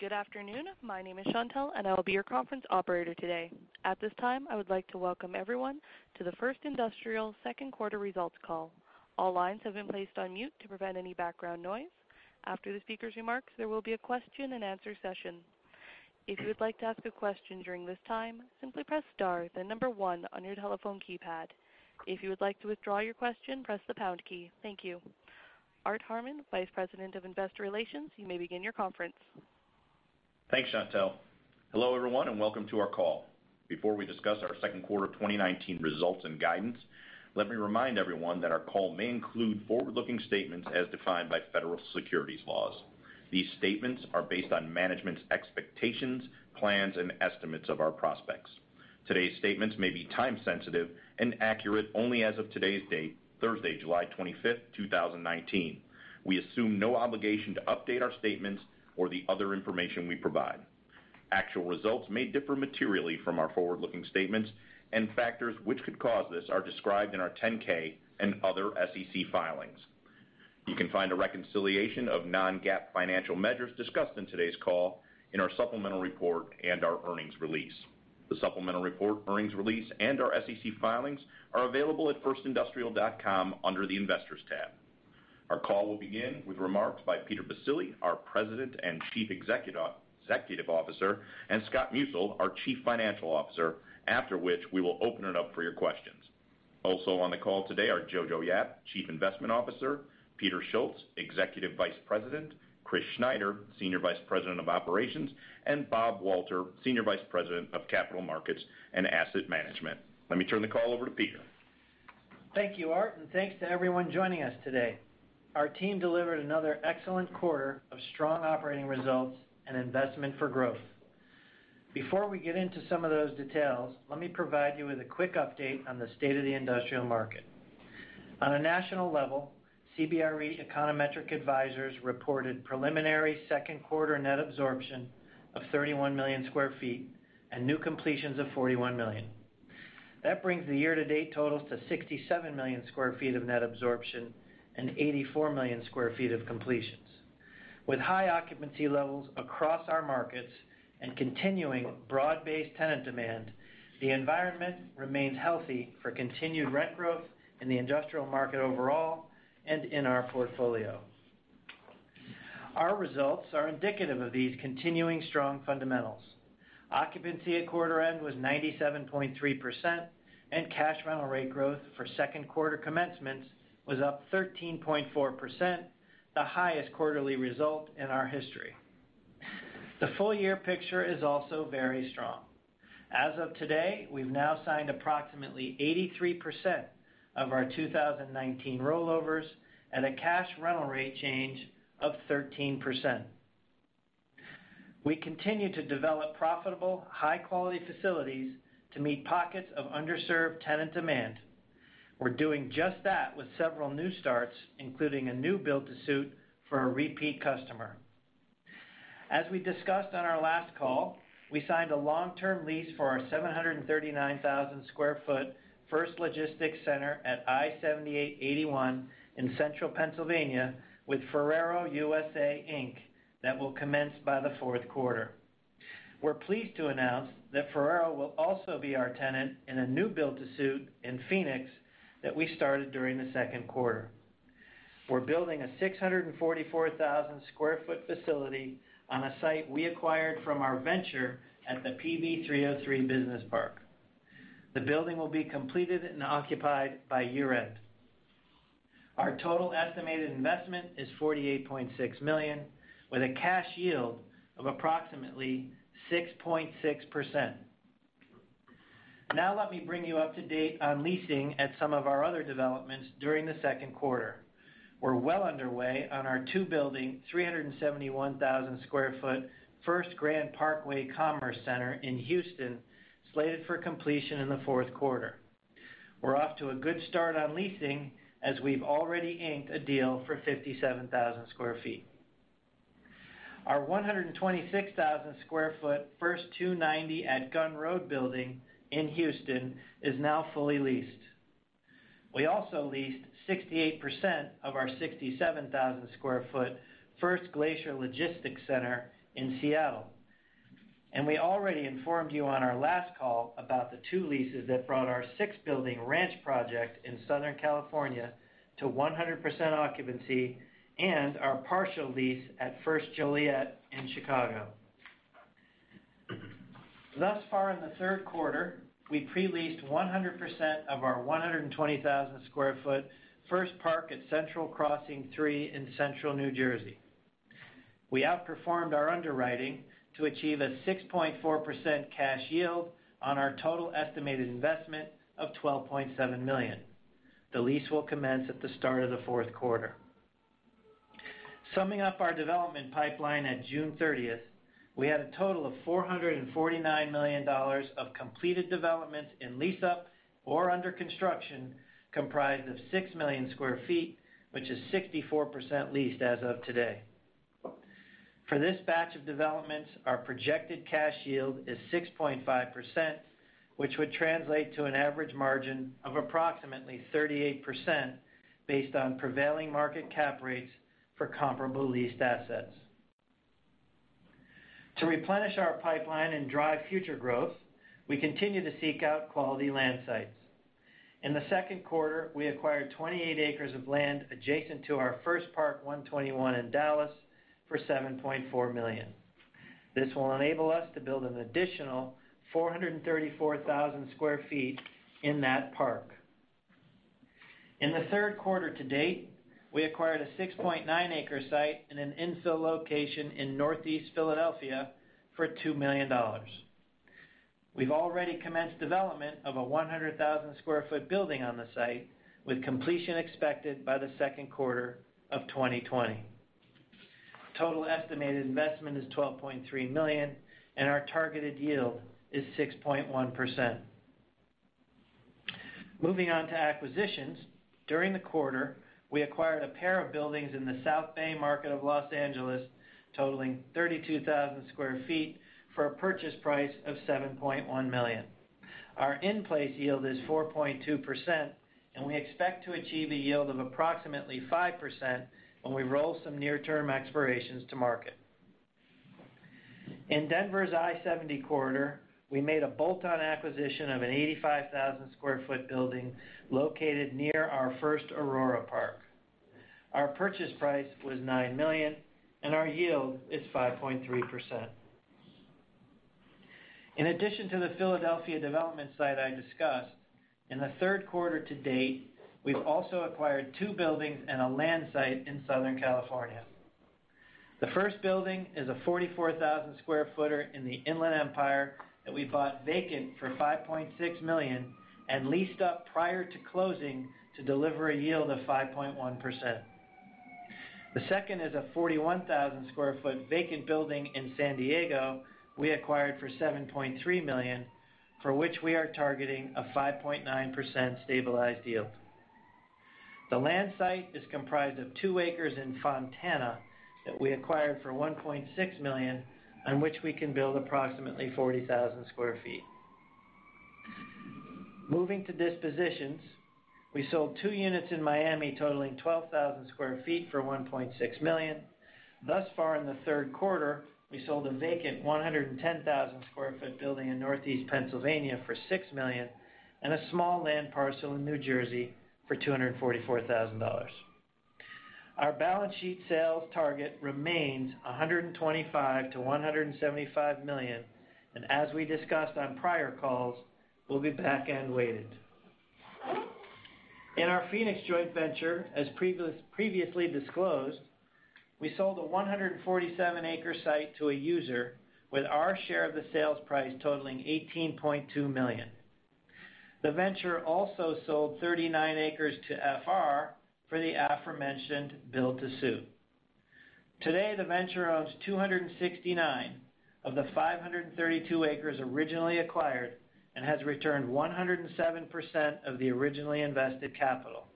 Good afternoon. My name is Chantelle, and I will be your conference operator today. At this time, I would like to welcome everyone to the First Industrial second quarter results call. All lines have been placed on mute to prevent any background noise. After the speaker's remarks, there will be a question and answer session. If you would like to ask a question during this time, simply press star then number one on your telephone keypad. If you would like to withdraw your question, press the pound key. Thank you. Art Harmon, Vice President of Investor Relations, you may begin your conference. Thanks, Chantelle. Hello, everyone, and welcome to our call. Before we discuss our second quarter 2019 results and guidance, let me remind everyone that our call may include forward-looking statements as defined by federal securities laws. These statements are based on management's expectations, plans, and estimates of our prospects. Today's statements may be time sensitive and accurate only as of today's date, Thursday, July 25th, 2019. We assume no obligation to update our statements or the other information we provide. Actual results may differ materially from our forward-looking statements. Factors which could cause this are described in our 10-K and other SEC filings. You can find a reconciliation of non-GAAP financial measures discussed in today's call in our supplemental report and our earnings release. The supplemental report, earnings release, and our SEC filings are available at firstindustrial.com under the Investors tab. Our call will begin with remarks by Peter Baccile, our President and Chief Executive Officer, and Scott Musil, our Chief Financial Officer, after which we will open it up for your questions. Also on the call today are Jojo Yap, Chief Investment Officer, Peter Schultz, Executive Vice President, Chris Schneider, Senior Vice President of Operations, and Bob Walter, Senior Vice President of Capital Markets and Asset Management. Let me turn the call over to Peter. Thank you, Art, and thanks to everyone joining us today. Our team delivered another excellent quarter of strong operating results and investment for growth. Before we get into some of those details, let me provide you with a quick update on the state of the industrial market. On a national level, CBRE Econometric Advisors reported preliminary second quarter net absorption of 31 million sq ft and new completions of 41 million. That brings the year-to-date totals to 67 million sq ft of net absorption and 84 million sq ft of completions. With high occupancy levels across our markets and continuing broad-based tenant demand, the environment remains healthy for continued rent growth in the industrial market overall and in our portfolio. Our results are indicative of these continuing strong fundamentals. Occupancy at quarter end was 97.3%, and cash rental rate growth for second quarter commencements was up 13.4%, the highest quarterly result in our history. The full year picture is also very strong. As of today, we've now signed approximately 83% of our 2019 rollovers at a cash rental rate change of 13%. We continue to develop profitable, high-quality facilities to meet pockets of underserved tenant demand. We're doing just that with several new starts, including a new build to suit for a repeat customer. As we discussed on our last call, we signed a long-term lease for our 739,000 sq ft First Logistics Center at I-78/81 in central Pennsylvania with Ferrero USA Inc. that will commence by the fourth quarter. We're pleased to announce that Ferrero will also be our tenant in a new build to suit in Phoenix that we started during the second quarter. We're building a 644,000 sq ft facility on a site we acquired from our venture at the PV 303 Business Park. The building will be completed and occupied by year-end. Our total estimated investment is $48.6 million, with a cash yield of approximately 6.6%. Let me bring you up to date on leasing at some of our other developments during the second quarter. We're well underway on our two building, 371,000 sq ft First Grand Parkway Commerce Center in Houston, slated for completion in the fourth quarter. We're off to a good start on leasing, as we've already inked a deal for 57,000 sq ft. Our 126,000 sq ft First 290 at Gunn Road building in Houston is now fully leased. We also leased 68% of our 67,000 sq ft First Glacier Logistics Center in Seattle. We already informed you on our last call about the two leases that brought our six-building Ranch project in Southern California to 100% occupancy and our partial lease at First Joliet in Chicago. Thus far in the third quarter, we pre-leased 100% of our 120,000 sq ft First Park at Central Crossing 3 in central New Jersey. We outperformed our underwriting to achieve a 6.4% cash yield on our total estimated investment of $12.7 million. The lease will commence at the start of the fourth quarter. Summing up our development pipeline at June 30th, we had a total of $449 million of completed developments in lease-up or under construction, comprised of 6 million sq ft, which is 64% leased as of today. For this batch of developments, our projected cash yield is 6.5%. Which would translate to an average margin of approximately 38%, based on prevailing market cap rates for comparable leased assets. To replenish our pipeline and drive future growth, we continue to seek out quality land sites. In the second quarter, we acquired 28 acres of land adjacent to our First Park 121 in Dallas for $7.4 million. This will enable us to build an additional 434,000 square feet in that park. In the third quarter to date, we acquired a 6.9-acre site in an infill location in Northeast Philadelphia for $2 million. We've already commenced development of a 100,000 square foot building on the site, with completion expected by the second quarter of 2020. Total estimated investment is $12.3 million, and our targeted yield is 6.1%. Moving on to acquisitions, during the quarter, we acquired a pair of buildings in the South Bay market of L.A., totaling 32,000 sq ft for a purchase price of $7.1 million. Our in-place yield is 4.2%. We expect to achieve a yield of approximately 5% when we roll some near-term expirations to market. In Denver's I-70 corridor, we made a bolt-on acquisition of an 85,000 sq ft building located near our First Aurora Park. Our purchase price was $9 million, and our yield is 5.3%. In addition to the Philadelphia development site I discussed, in the third quarter to date, we've also acquired two buildings and a land site in Southern California. The first building is a 44,000 sq ft in the Inland Empire that we bought vacant for $5.6 million and leased up prior to closing to deliver a yield of 5.1%. The second is a 41,000 sq ft vacant building in San Diego we acquired for $7.3 million, for which we are targeting a 5.9% stabilized yield. The land site is comprised of two acres in Fontana that we acquired for $1.6 million, on which we can build approximately 40,000 sq ft. Moving to dispositions, we sold two units in Miami totaling 12,000 sq ft for $1.6 million. Thus far in the third quarter, we sold a vacant 110,000 sq ft building in Northeast Pennsylvania for $6 million and a small land parcel in New Jersey for $244,000. Our balance sheet sales target remains $125 million-$175 million, and as we discussed on prior calls, we'll be back end weighted. In our Phoenix joint venture, as previously disclosed, we sold a 147-acre site to a user, with our share of the sales price totaling $18.2 million. The venture also sold 39 acres to FR for the aforementioned build to suit. Today, the venture owns 269 of the 532 acres originally acquired and has returned 107% of the originally invested capital.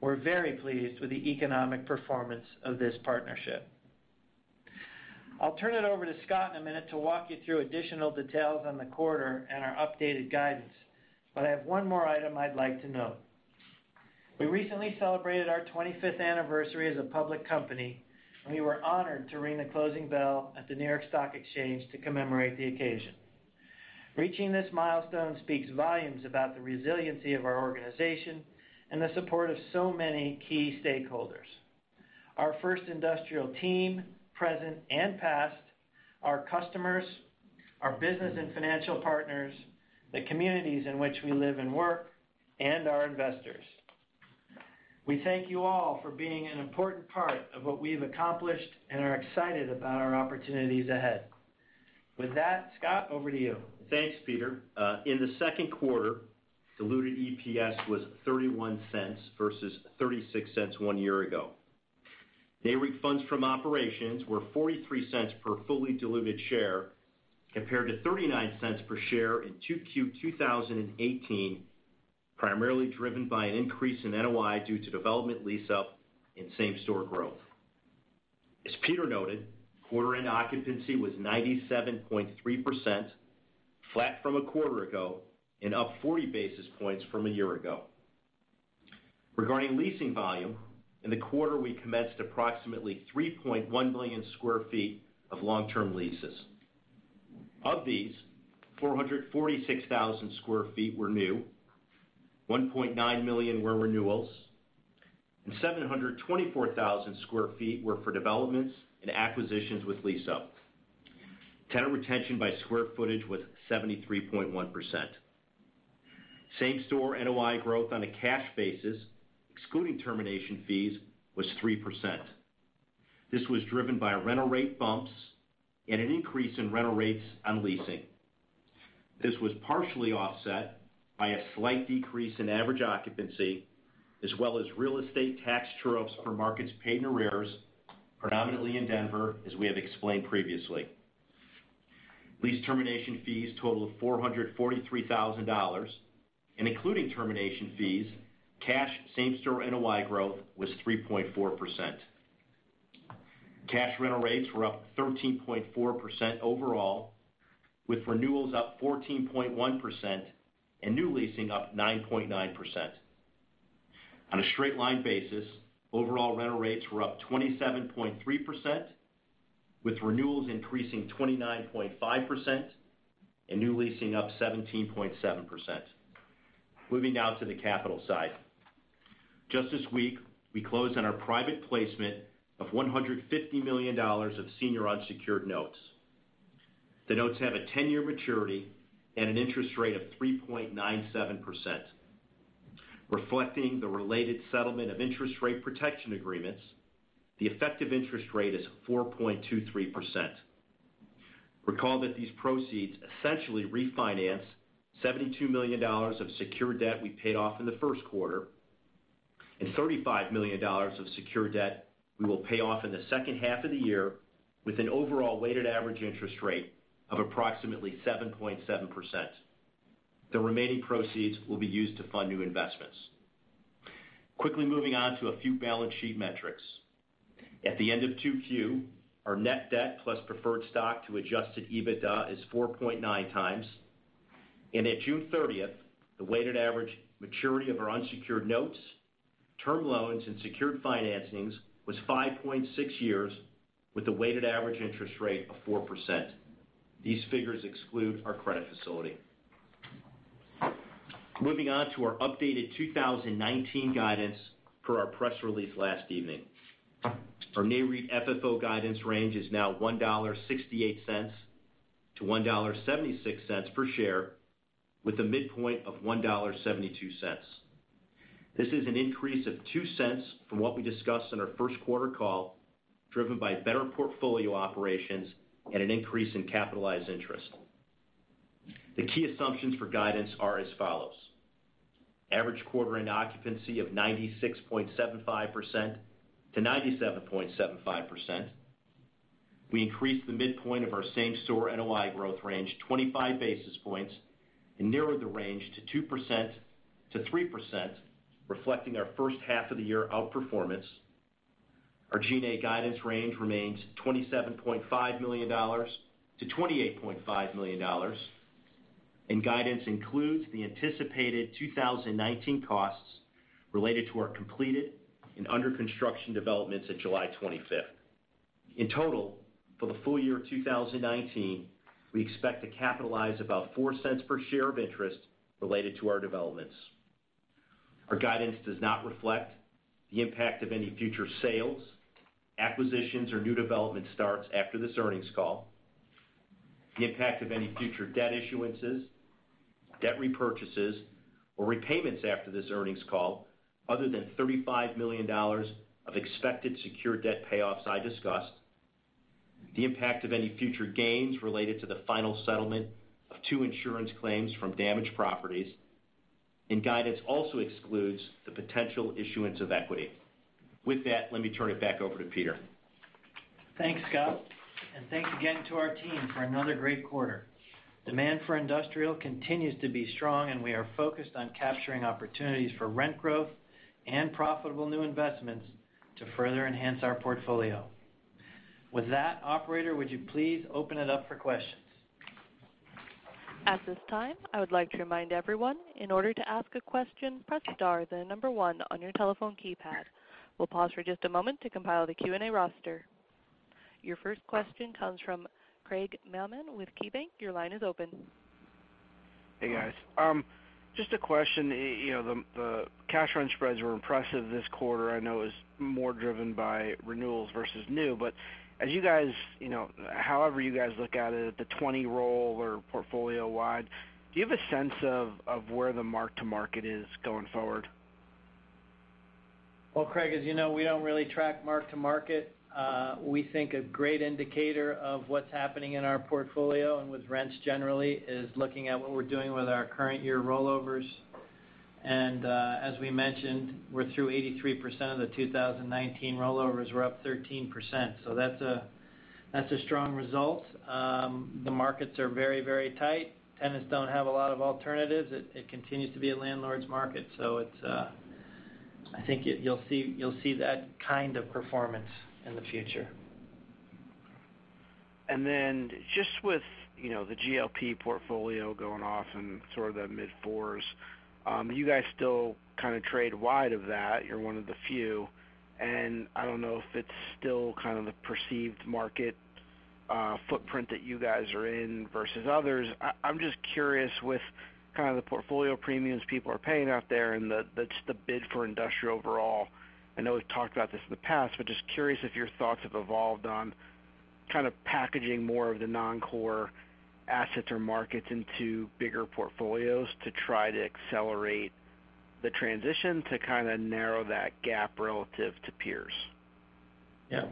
We're very pleased with the economic performance of this partnership. I'll turn it over to Scott in a minute to walk you through additional details on the quarter and our updated guidance. I have one more item I'd like to note. We recently celebrated our 25th anniversary as a public company. We were honored to ring the closing bell at the New York Stock Exchange to commemorate the occasion. Reaching this milestone speaks volumes about the resiliency of our organization and the support of so many key stakeholders, our First Industrial team, present and past, our customers, our business and financial partners, the communities in which we live and work, and our investors. We thank you all for being an important part of what we've accomplished and are excited about our opportunities ahead. With that, Scott, over to you. Thanks, Peter. In the second quarter, diluted EPS was $0.31 versus $0.36 one year ago. Diluted funds from operations were $0.43 per fully diluted share, compared to $0.39 per share in 2Q 2018, primarily driven by an increase in NOI due to development lease-up and same-store growth. As Peter noted, quarter-end occupancy was 97.3%, flat from a quarter ago and up 40 basis points from a year ago. Regarding leasing volume, in the quarter, we commenced approximately 3.1 million sq ft of long-term leases. Of these, 446,000 sq ft were new, 1.9 million were renewals, and 724,000 sq ft were for developments and acquisitions with lease-up. Tenant retention by square footage was 73.1%. Same-store NOI growth on a cash basis, excluding termination fees, was 3%. This was driven by rental rate bumps and an increase in rental rates on leasing. This was partially offset by a slight decrease in average occupancy, as well as real estate tax true-ups for markets paid in arrears, predominantly in Denver, as we have explained previously. Lease termination fees totaled $443,000, and including termination fees, cash same-store NOI growth was 3.4%. Cash rental rates were up 13.4% overall, with renewals up 14.1% and new leasing up 9.9%. On a straight-line basis, overall rental rates were up 27.3%, with renewals increasing 29.5% and new leasing up 17.7%. Moving now to the capital side. Just this week, we closed on our private placement of $150 million of senior unsecured notes. The notes have a 10-year maturity and an interest rate of 3.97%. Reflecting the related settlement of interest rate protection agreements, the effective interest rate is 4.23%. Recall that these proceeds essentially refinance $72 million of secured debt we paid off in the first quarter and $35 million of secured debt we will pay off in the second half of the year, with an overall weighted average interest rate of approximately 7.7%. The remaining proceeds will be used to fund new investments. Quickly moving on to a few balance sheet metrics. At the end of 2Q, our net debt plus preferred stock to adjusted EBITDA is 4.9 times. At June 30th, the weighted average maturity of our unsecured notes, term loans, and secured financings was 5.6 years, with a weighted average interest rate of 4%. These figures exclude our credit facility. Moving on to our updated 2019 guidance per our press release last evening. Our NAREIT FFO guidance range is now $1.68-$1.76 per share, with a midpoint of $1.72. This is an increase of $0.02 from what we discussed on our first quarter call, driven by better portfolio operations and an increase in capitalized interest. The key assumptions for guidance are as follows. Average quarter-end occupancy of 96.75%-97.75%. We increased the midpoint of our same-store NOI growth range 25 basis points and narrowed the range to 2%-3%, reflecting our first half of the year outperformance. Our G&A guidance range remains $27.5 million-$28.5 million, and guidance includes the anticipated 2019 costs related to our completed and under-construction developments at July 25th. In total, for the full year 2019, we expect to capitalize about $0.04 per share of interest related to our developments. Our guidance does not reflect the impact of any future sales, acquisitions, or new development starts after this earnings call. The impact of any future debt issuances, debt repurchases, or repayments after this earnings call, other than $35 million of expected secured debt payoffs I discussed. The impact of any future gains related to the final settlement of two insurance claims from damaged properties. Guidance also excludes the potential issuance of equity. With that, let me turn it back over to Peter. Thanks, Scott. Thanks again to our team for another great quarter. Demand for industrial continues to be strong, and we are focused on capturing opportunities for rent growth and profitable new investments to further enhance our portfolio. With that, operator, would you please open it up for questions? At this time, I would like to remind everyone, in order to ask a question, press star, then number one on your telephone keypad. We'll pause for just a moment to compile the Q&A roster. Your first question comes from Craig Mailman with KeyBanc. Your line is open. Hey, guys. Just a question. The cash run spreads were impressive this quarter. I know it was more driven by renewals versus new. However you guys look at it, at the 20 roll or portfolio-wide, do you have a sense of where the mark to market is going forward? Well, Craig, as you know, we don't really track mark to market. We think a great indicator of what's happening in our portfolio and with rents generally is looking at what we're doing with our current year rollovers. As we mentioned, we're through 83% of the 2019 rollovers. We're up 13%. That's a strong result. The markets are very, very tight. Tenants don't have a lot of alternatives. It continues to be a landlord's market. I think you'll see that kind of performance in the future. Then just with the GLP portfolio going off in sort of the mid-fours. You guys still kind of trade wide of that. You're one of the few. I don't know if it's still kind of the perceived market footprint that you guys are in versus others. I'm just curious with kind of the portfolio premiums people are paying out there and just the bid for industrial overall. I know we've talked about this in the past, but just curious if your thoughts have evolved on kind of packaging more of the non-core assets or markets into bigger portfolios to try to accelerate the transition to kind of narrow that gap relative to peers. Yeah.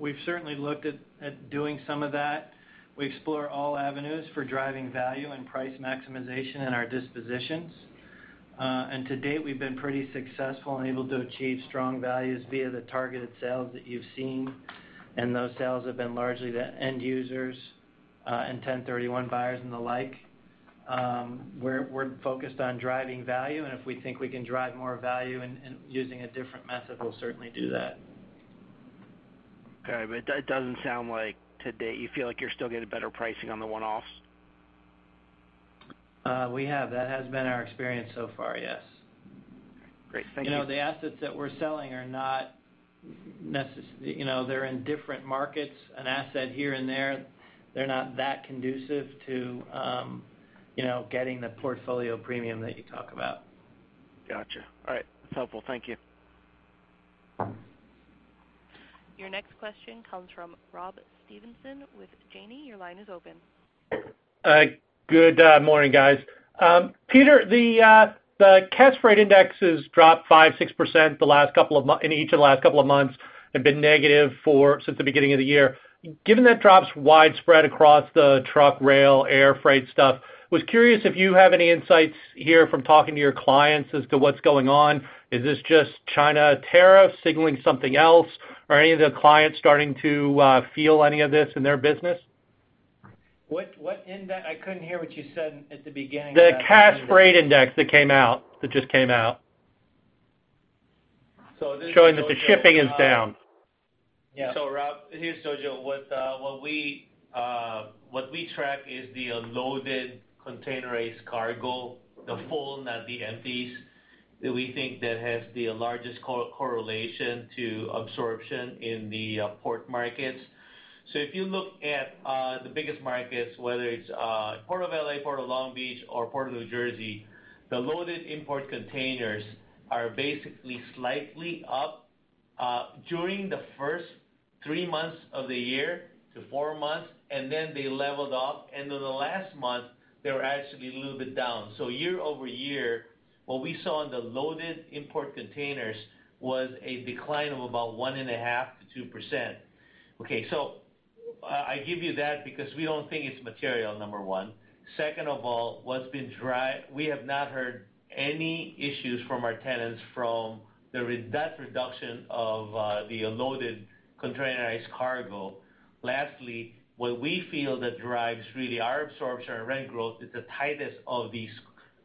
We've certainly looked at doing some of that. We explore all avenues for driving value and price maximization in our dispositions. To date, we've been pretty successful and able to achieve strong values via the targeted sales that you've seen, and those sales have been largely the end users and 1031 buyers and the like. We're focused on driving value, and if we think we can drive more value in using a different method, we'll certainly do that. Okay. That doesn't sound like to date you feel like you're still getting better pricing on the one-offs? We have. That has been our experience so far, yes. Great. Thank you. The assets that we're selling, they're in different markets. An asset here and there, they're not that conducive to getting the portfolio premium that you talk about. Got you. All right. That's helpful. Thank you. Your next question comes from Rob Stevenson with Janney. Your line is open. Good morning, guys. Peter, the Cass Freight Indexes dropped 5%, 6% in each of the last couple of months, and been negative since the beginning of the year. Given that drop's widespread across the truck, rail, air freight stuff, was curious if you have any insights here from talking to your clients as to what's going on? Is this just China tariffs signaling something else? Are any of the clients starting to feel any of this in their business? What index? I couldn't hear what you said at the beginning. The Cass Freight Index that just came out. So this is- Showing that the shipping is down. Yeah. Rob, here's Jojo. What we track is the loaded containerized cargo, the full, not the empties, that we think that has the largest correlation to absorption in the port markets. If you look at the biggest markets, whether it's Port of L.A., Port of Long Beach, or Port of New Jersey, the loaded import containers are basically slightly up during the first three months of the year to four months, and then they leveled off. The last month, they were actually a little bit down. Year-over-year, what we saw in the loaded import containers was a decline of about 1.5% to 2%. Okay, I give you that because we don't think it's material, number one. Second of all, we have not heard any issues from our tenants from that reduction of the loaded containerized cargo. What we feel that drives really our absorption and rent growth is the tightness of these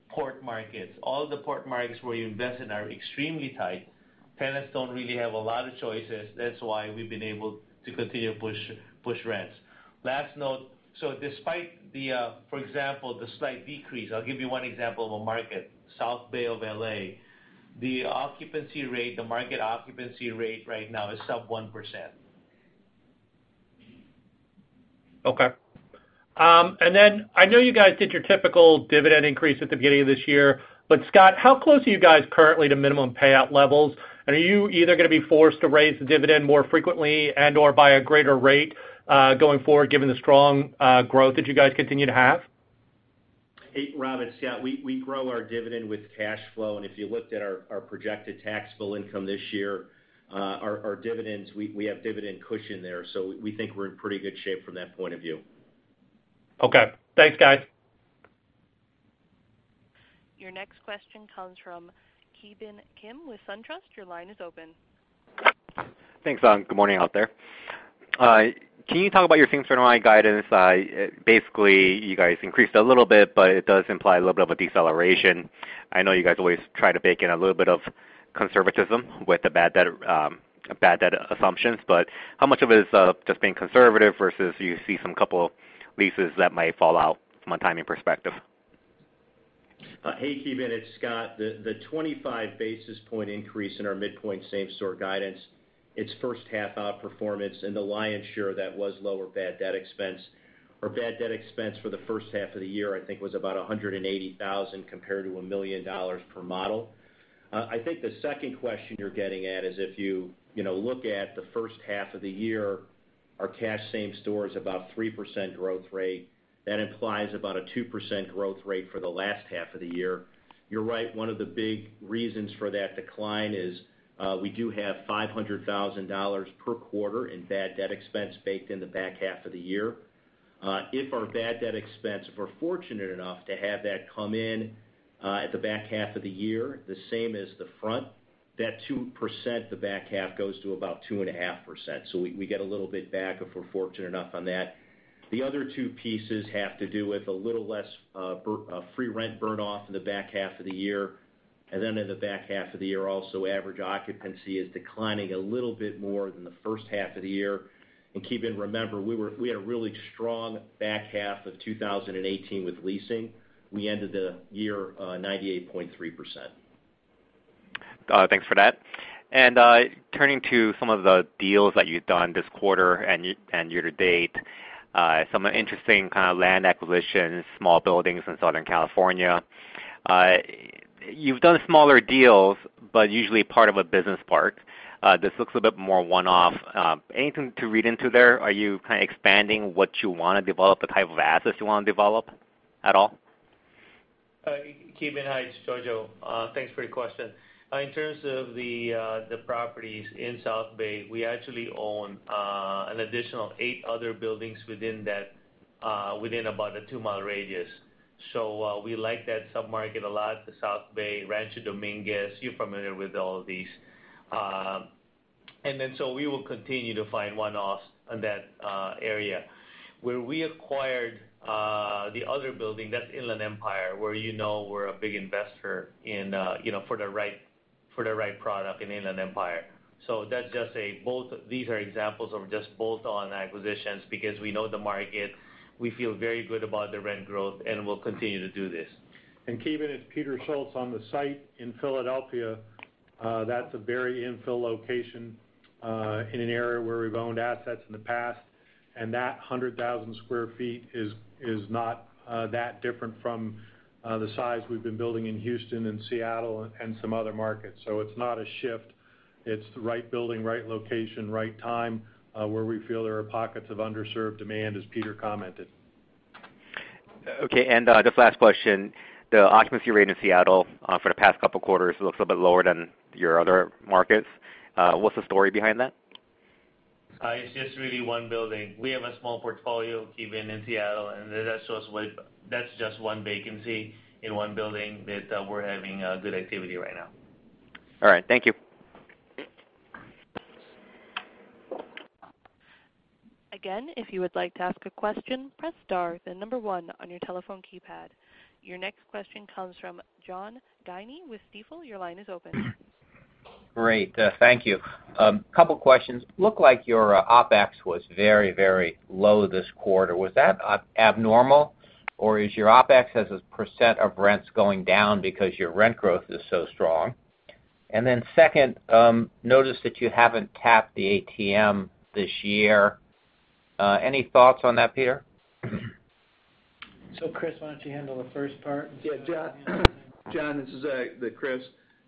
port markets. All the port markets where you invest in are extremely tight. Tenants don't really have a lot of choices. That's why we've been able to continue to push rents. Last note, despite the, for example, the slight decrease, I'll give you one example of a market, South Bay of L.A. The market occupancy rate right now is sub 1%. Okay. Then I know you guys did your typical dividend increase at the beginning of this year. Scott, how close are you guys currently to minimum payout levels? Are you either going to be forced to raise the dividend more frequently and/or by a greater rate, going forward, given the strong growth that you guys continue to have? Hey, Rob, it's Scott. We grow our dividend with cash flow. If you looked at our projected taxable income this year, our dividends, we have dividend cushion there. We think we're in pretty good shape from that point of view. Okay. Thanks, guys. Your next question comes from Ki Bin Kim with SunTrust. Your line is open. Thanks. Good morning out there. Can you talk about your same-store NOI guidance? Basically, you guys increased a little bit, but it does imply a little bit of a deceleration. I know you guys always try to bake in a little bit of conservatism with the bad debt assumptions, but how much of it is just being conservative versus you see some couple leases that might fall out from a timing perspective? Hey, Ki Bin. It's Scott. The 25-basis point increase in our midpoint same-store guidance, its first half outperformance and the lion's share that was lower bad debt expense, or bad debt expense for the first half of the year, I think, was about 180,000 compared to $1 million per model. I think the second question you're getting at is if you look at the first half of the year, our cash same-store is about a 3% growth rate. That implies about a 2% growth rate for the last half of the year. You're right, one of the big reasons for that decline is we do have $500,000 per quarter in bad debt expense baked in the back half of the year. If our bad debt expense, if we're fortunate enough to have that come in at the back half of the year, the same as the front, that 2%, the back half goes to about 2.5%. We get a little bit back if we're fortunate enough on that. The other two pieces have to do with a little less free rent burn-off in the back half of the year. Then in the back half of the year also, average occupancy is declining a little bit more than the first half of the year. Ki Bin, remember, we had a really strong back half of 2018 with leasing. We ended the year 98.3%. Thanks for that. Turning to some of the deals that you've done this quarter and year to date. Some interesting kind of land acquisitions, small buildings in Southern California. You've done smaller deals, but usually part of a business park. This looks a bit more one-off. Anything to read into there? Are you kind of expanding what you want to develop, the type of assets you want to develop at all? Ki Bin, hi, it's Jojo. Thanks for your question. In terms of the properties in South Bay, we actually own an additional eight other buildings within about a two-mile radius. We like that sub-market a lot, the South Bay, Rancho Dominguez, you're familiar with all of these. We will continue to find one-offs in that area. Where we acquired the other building, that's Inland Empire, where you know we're a big investor for the right product in Inland Empire. These are examples of just bolt-on acquisitions because we know the market. We feel very good about the rent growth, and we'll continue to do this. Ki Bin, it's Peter Schultz. On the site in Philadelphia, that's a very infill location, in an area where we've owned assets in the past, and that 100,000 square feet is not that different from the size we've been building in Houston and Seattle and some other markets. It's not a shift. It's the right building, right location, right time, where we feel there are pockets of underserved demand, as Peter commented. Okay. Just last question. The occupancy rate in Seattle for the past couple quarters looks a bit lower than your other markets. What's the story behind that? It's just really one building. We have a small portfolio, Ki Bin, in Seattle. That's just one vacancy in one building that we're having good activity right now. All right. Thank you. If you would like to ask a question, press star, then number one on your telephone keypad. Your next question comes from John Guinee with Stifel. Your line is open. Great. Thank you. Couple questions. It looked like your OpEx was very low this quarter. Was that abnormal, or is your OpEx as a percent of rents going down because your rent growth is so strong? Second, I noticed that you haven't tapped the ATM this year. Any thoughts on that, Peter? Chris, why don't you handle the first part? John, this is Chris.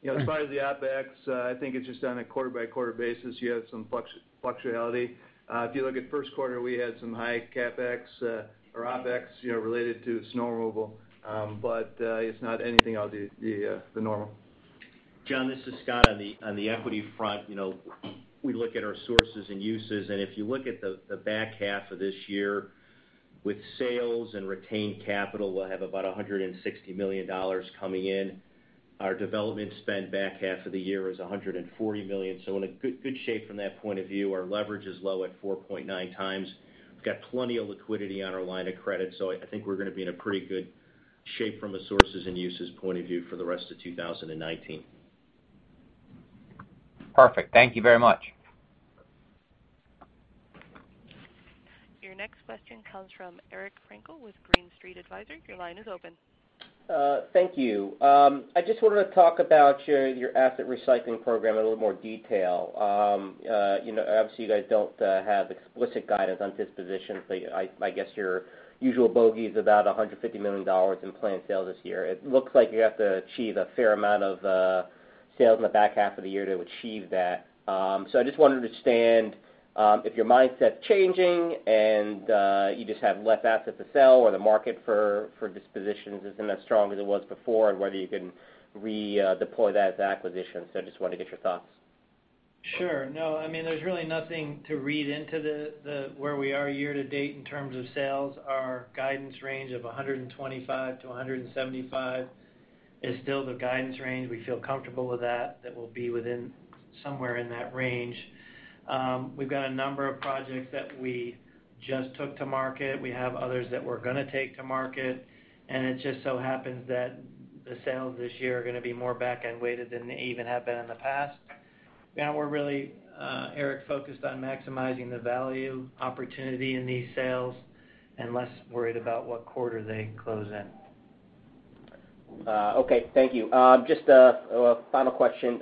As far as the OpEx, I think it's just on a quarter-by-quarter basis, you have some fluctuation. If you look at first quarter, we had some high CapEx or OpEx related to snow removal. It's not anything out of the normal. John, this is Scott. On the equity front, we look at our sources and uses, and if you look at the back half of this year with sales and retained capital, we'll have about $160 million coming in. Our development spend back half of the year is $140 million, so in a good shape from that point of view. Our leverage is low at 4.9 times. We've got plenty of liquidity on our line of credit, so I think we're going to be in a pretty good shape from a sources and uses point of view for the rest of 2019. Perfect. Thank you very much. Your next question comes from Eric Frankel with Green Street Advisors. Your line is open. Thank you. I just wanted to talk about your asset recycling program in a little more detail. You guys don't have explicit guidance on dispositions, but I guess your usual bogey is about $150 million in planned sales this year. It looks like you have to achieve a fair amount of sales in the back half of the year to achieve that. I just wanted to understand if your mindset's changing and you just have less assets to sell, or the market for dispositions isn't as strong as it was before, and whether you can redeploy that to acquisitions. I just wanted to get your thoughts. Sure. There's really nothing to read into where we are year-to-date in terms of sales. Our guidance range of $125 million-$175 million is still the guidance range. We feel comfortable with that we'll be within somewhere in that range. We've got a number of projects that we just took to market. We have others that we're going to take to market. It just so happens that the sales this year are going to be more back-end weighted than they even have been in the past. We're really, Eric, focused on maximizing the value opportunity in these sales and less worried about what quarter they close in. Okay. Thank you. Just a final question.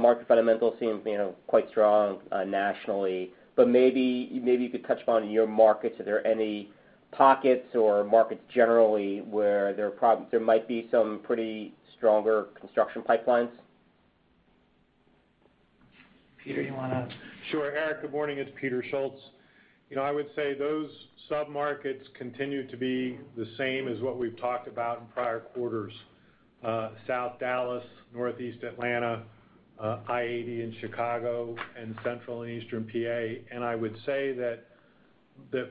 Market fundamentals seem quite strong nationally, but maybe you could touch upon your markets. Are there any pockets or markets generally where there might be some pretty stronger construction pipelines? Peter, you want to- Sure. Eric, good morning. It's Peter Schultz. I would say those sub-markets continue to be the same as what we've talked about in prior quarters. South Dallas, Northeast Atlanta, I-80 in Chicago, Central and Eastern PA. I would say that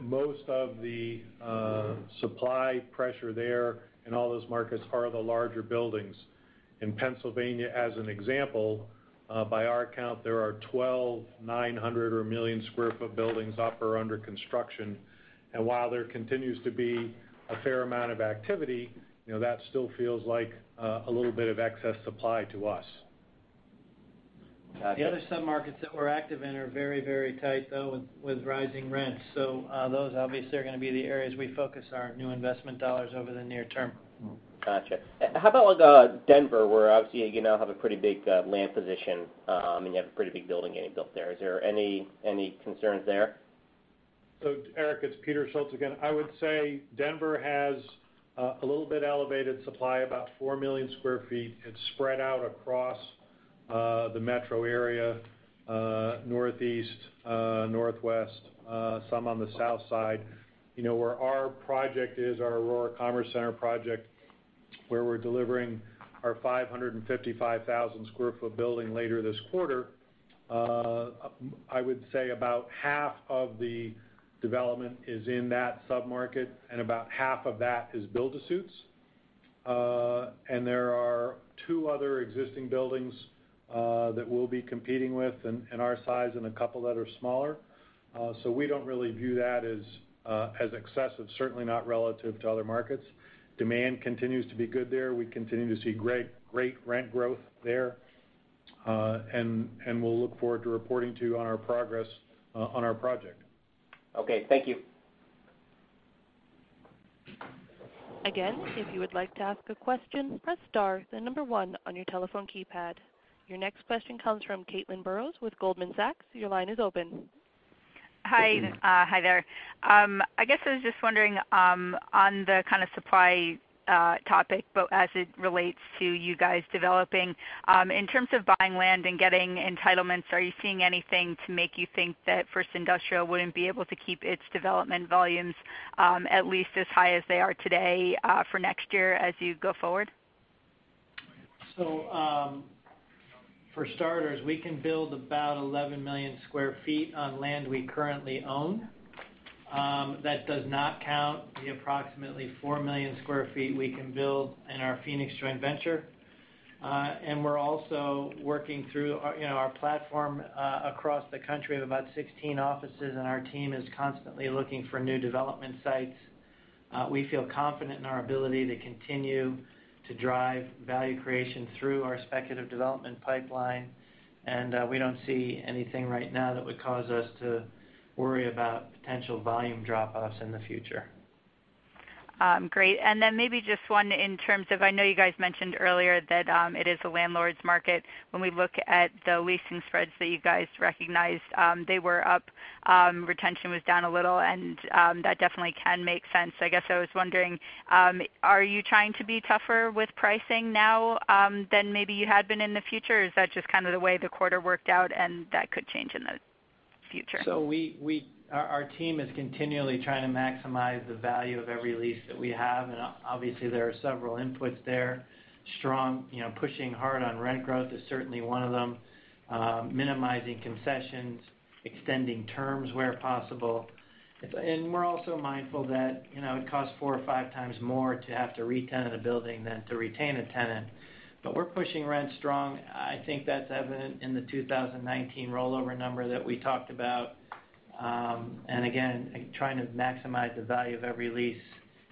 most of the supply pressure there in all those markets are the larger buildings. In Pennsylvania, as an example, by our count, there are 12 900 or 1 million square foot buildings up or under construction. While there continues to be a fair amount of activity, that still feels like a little bit of excess supply to us. Gotcha. The other sub-markets that we're active in are very tight though, with rising rents. Those obviously are going to be the areas we focus our new investment dollars over the near term. Gotcha. How about with Denver, where obviously you now have a pretty big land position, and you have a pretty big building getting built there, is there any concerns there? Eric, it's Peter Schultz again. I would say Denver has a little bit elevated supply, about 4 million sq ft. It's spread out across the metro area, northeast, northwest, some on the south side. Where our project is, our Aurora Commerce Center project, where we're delivering our 555,000 sq ft building later this quarter, I would say about half of the development is in that sub-market, and about half of that is build-to-suits. There are two other existing buildings that we'll be competing with in our size and a couple that are smaller. We don't really view that as excessive, certainly not relative to other markets. Demand continues to be good there. We continue to see great rent growth there. We'll look forward to reporting to you on our progress on our project. Okay. Thank you. Again, if you would like to ask a question, press star, then number one on your telephone keypad. Your next question comes from Caitlin Burrows with Goldman Sachs. Your line is open. Hi there. I guess I was just wondering on the kind of supply topic, but as it relates to you guys developing. In terms of buying land and getting entitlements, are you seeing anything to make you think that First Industrial wouldn't be able to keep its development volumes at least as high as they are today for next year as you go forward? For starters, we can build about 11 million square feet on land we currently own. That does not count the approximately 4 million square feet we can build in our Phoenix joint venture. We're also working through our platform across the country of about 16 offices, and our team is constantly looking for new development sites. We feel confident in our ability to continue to drive value creation through our speculative development pipeline, and we don't see anything right now that would cause us to worry about potential volume drop-offs in the future. Great. Then maybe just one in terms of, I know you guys mentioned earlier that it is a landlord's market. When we look at the leasing spreads that you guys recognized, they were up. Retention was down a little, and that definitely can make sense. I guess I was wondering, are you trying to be tougher with pricing now than maybe you had been in the future? Is that just kind of the way the quarter worked out and that could change in the future? Our team is continually trying to maximize the value of every lease that we have, and obviously, there are several inputs there. Pushing hard on rent growth is certainly one of them, minimizing concessions, extending terms where possible. We're also mindful that it costs four or five times more to have to re-tenant a building than to retain a tenant. We're pushing rent strong. I think that's evident in the 2019 rollover number that we talked about. Again, trying to maximize the value of every lease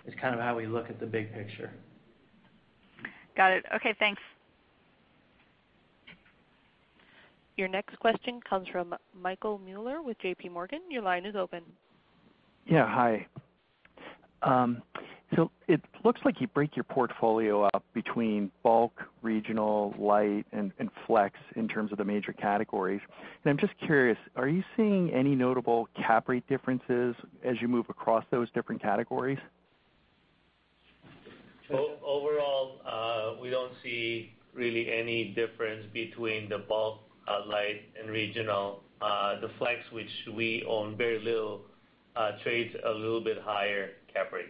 is kind of how we look at the big picture. Got it. Okay, thanks. Your next question comes from Michael Mueller with JPMorgan. Your line is open. Yeah, hi. It looks like you break your portfolio up between bulk, regional, light, and flex in terms of the major categories. I'm just curious, are you seeing any notable cap rate differences as you move across those different categories? Overall, we don't see really any difference between the bulk, light, and regional. The flex, which we own very little, trades a little bit higher cap rate.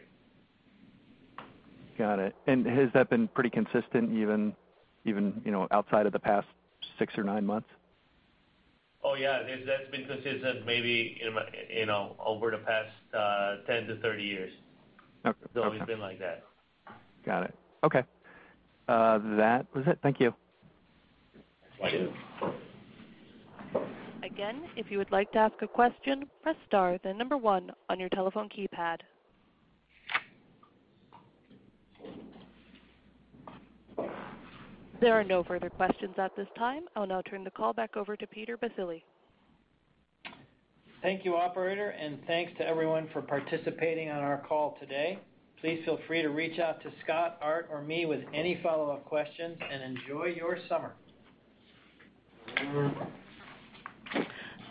Got it. Has that been pretty consistent even outside of the past six or nine months? Oh, yeah. That's been consistent maybe over the past 10 years-30 years. Okay. It's always been like that. Got it. Okay. That was it. Thank you. Thank you. If you would like to ask a question, press star, then number one on your telephone keypad. There are no further questions at this time. I'll now turn the call back over to Peter Baccile. Thank you, Operator, and thanks to everyone for participating on our call today. Please feel free to reach out to Scott, Art, or me with any follow-up questions, and enjoy your summer.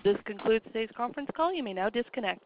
This concludes today's conference call. You may now disconnect.